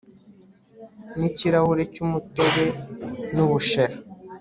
n'ikirahuri cy'umutobe nu bushera